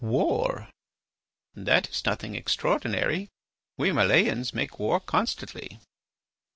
"War." "That is nothing extraordinary. We Malayans make war constantly."